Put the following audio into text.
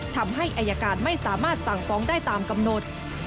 ทำให้อายการไม่สามารถสั่งฟ้องได้ตามกำหนด